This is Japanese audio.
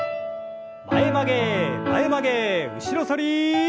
前曲げ前曲げ後ろ反り。